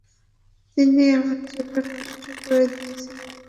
তিনি আমার চোখ নষ্ট করে দিয়েছেন।